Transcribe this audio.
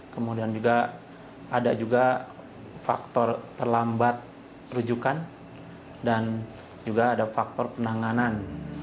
kemudian juga ada juga faktor terlambat rujukan dan juga ada faktor penanganan